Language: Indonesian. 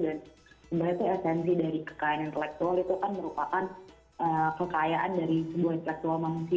dan sebenarnya itu esensi dari kekayaan intelektual itu kan merupakan kekayaan dari sebuah intelektual manusia